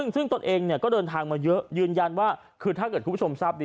ซึ่งตนเองก็เดินทางมาเยอะยืนยันว่าคือถ้าเกิดคุณผู้ชมทราบดี